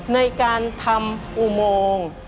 ในการทำอุโมง